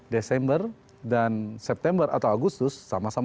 desember dan september atau agustus sama sama dua ribu sembilan belas